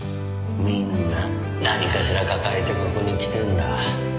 みんな何かしら抱えてここに来てんだ